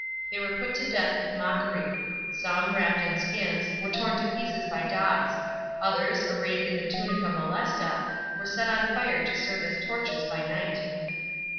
They were put to death with mockery. Some, wrapped in skins, were torn to i ieces by dogs ; others, arrayed in the tunica molesta, were set <(n fire to seive as torches by nig it.